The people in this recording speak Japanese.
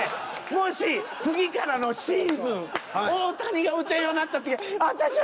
もし次からのシーズン大谷が打てんようなった時あたしゃ